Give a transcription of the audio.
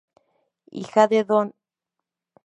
Hija de Dn.